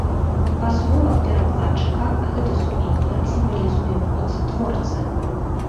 Па словах перакладчыка, гэты сувенір сімвалізуе моц творцы.